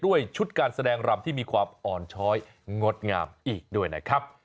ด้วยชุดการแสดงรำที่มีความอ่อนช้อยงดงามอีกด้วยนะครับ